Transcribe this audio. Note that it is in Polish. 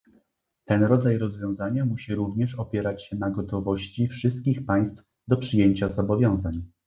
Ten rodzaj rozwiązania musi również opierać się na gotowości wszystkich państw do przyjęcia zobowiązań